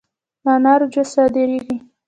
د انارو جوس صادریږي؟